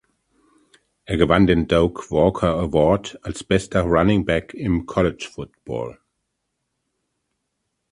Er gewann den Doak Walker Award als bester Runningback im College Football.